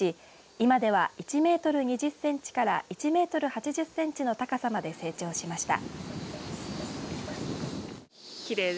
今では１メートル２０センチから１メートル８０センチの高さまで成長しました。